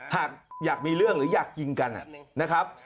หากอยากมีเรื่องหรืออยากยิงกันนะครับ